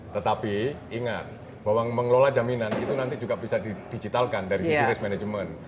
tetapi ingat bahwa mengelola jaminan itu nanti juga bisa didigitalkan dari sisi risk management